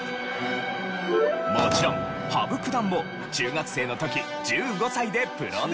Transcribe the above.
もちろん羽生九段も中学生の時１５歳でプロデビュー。